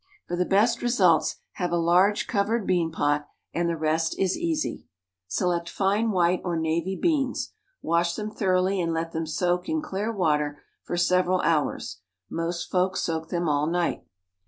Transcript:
For the best results have a large covered bean pot and the rest is easy. Select fine white or navy beans. Wash them thoroughly and let them soak in clear water for several hours — most folks soak them all night.